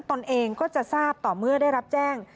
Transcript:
ตนเองก็จะทราบต่อเมื่อได้รับแจ้ง